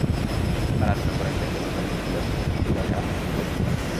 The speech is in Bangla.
তারা আরো উল্লেখ করেন যে, এ ঘটনাটি ঘটেছিল উরায়হা বিজয়কালে।